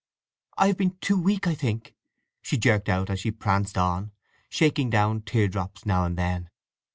"I have been too weak, I think!" she jerked out as she pranced on, shaking down tear drops now and then.